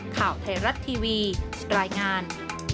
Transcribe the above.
ข่าวไทยรัฐทีวีรายงาน